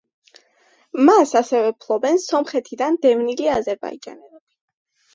მას ასევე ფლობენ სომხეთიდან დევნილი აზერბაიჯანელები.